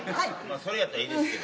それやったらいいですけど。